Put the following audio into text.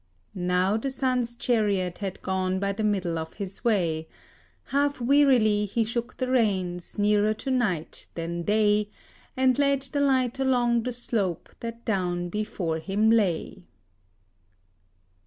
Now the sun's chariot had gone by the middle of his way; Half wearily he shook the reins, nearer to night than day, And led the light along the slope that down before him lay.